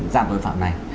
dạng tội phạm này